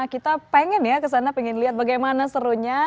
kita ingin ya ke sana ingin lihat bagaimana serunya